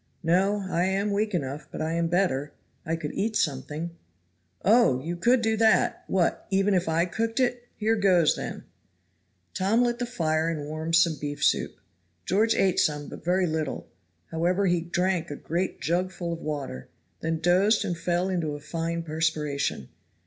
"No, I am weak enough, but I am better I could eat something." "Oh, you could do that! what! even if I cooked it? Here goes, then." Tom lit the fire and warmed some beef soup. George ate some, but very little; however he drank a great jugful of water then dozed and fell into a fine perspiration.